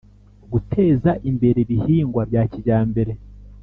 Guteza imbere ibihingwa bya kijyambere